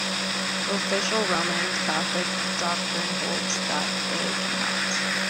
Official Roman Catholic doctrine holds that they cannot.